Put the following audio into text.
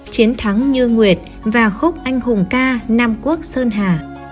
chiến thắng như nguyệt và khúc anh hùng ca nam quốc sơn hà